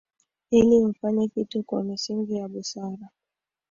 ili mfanye kitu kwa misingi ya busara